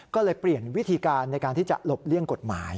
ก็เลยเปลี่ยนวิธีการในการที่จะหลบเลี่ยงกฎหมาย